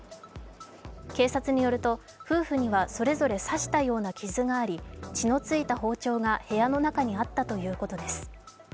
警察によると夫婦にはそれぞれ刺したような傷があり血の付いた包丁が部屋の中にあったということです。